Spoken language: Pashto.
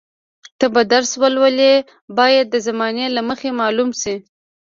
ته به درس ولولې باید د زمانې له مخې معلوم شي.